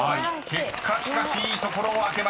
結果しかしいい所を開けました］